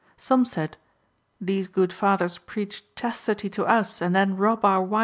Some said, "These good fathers preach chastity to us and then rob our wives of theirs."